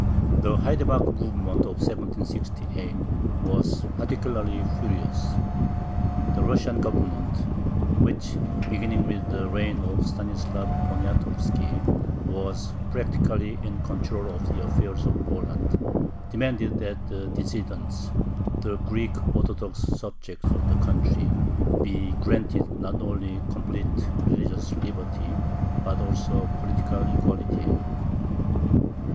The haidamack movement of 1768 was particularly furious. The Russian Government, which, beginning with the reign of Stanislav Poniatovski, was practically in control of the affairs of Poland, demanded that the "dissidents," the Greek Orthodox subjects of the country, be granted not only complete religious liberty, but also political equality.